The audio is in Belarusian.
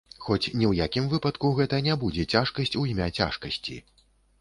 Хоць, ні ў якім выпадку гэта не будзе цяжкасць у імя цяжкасці.